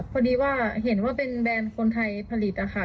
พอดีว่าเห็นว่าเป็นแบรนด์คนไทยผลิตนะคะ